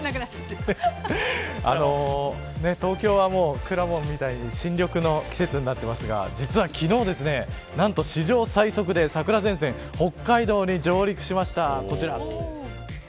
東京はくらもんみたいに新緑の季節になっていますが実は昨日、何と史上最速で桜前線北海道に上陸しました、こちら。